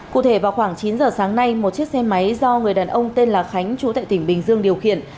cụ thể vào khoảng chín giờ sáng nay một chiếc xe máy do người đàn ông tên là khánh chú tại tỉnh bình dương điều khiển